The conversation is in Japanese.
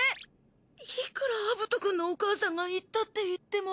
いくらアブトくんのお母さんが言ったっていっても。